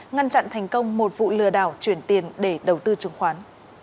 ngăn chặn thành công một vụ lừa đảo chuyển tiền để đầu tư chứng khoán